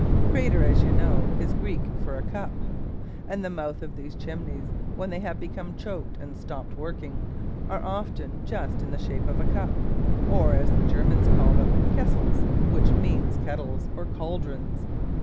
Crater, as you know, is Greek for a cup. And the mouth of these chimneys, when they have become choked and stopped working, are often just the shape of a cup, or (as the Germans call them) kessels, which means kettles, or caldrons.